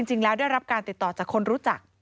จริงแล้วได้รับการติดต่อจากคนรู้จัก